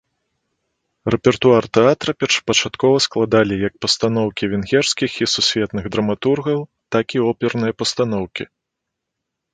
Рэпертуар тэатра першапачаткова складалі як пастаноўкі венгерскіх і сусветных драматургаў, так і оперныя пастаноўкі.